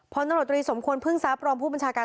พรนรตรีสมควรพึ่งทราบรอมผู้บัญชาการ